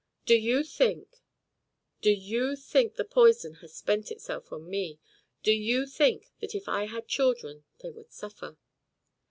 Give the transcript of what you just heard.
"Do you think do you think the poison has spent itself on me? Do you think that if I had children they would suffer?"